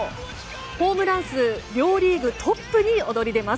ホームラン数両リーグトップに躍り出ます。